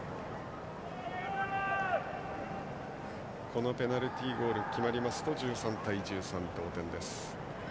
このペナルティーゴールが決まると１３対１３の同点です。